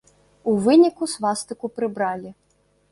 У выніку свастыку прыбралі.